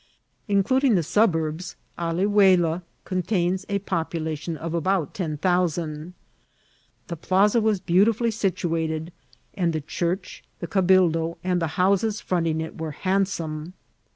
Including the suburbs, Alihuela contains a population of about 10,000. The plaza was beautifully situated, and the church, tha cabildo, and the houses fironting it were handsome.